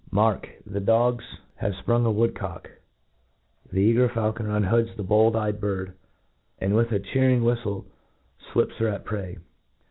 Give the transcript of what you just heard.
— Mark !— the dogs have fprung a woodcock — ^the eager fiaiulconer unhoods the bold eyed bird, and with a cheat ing whittle flips her at her prey.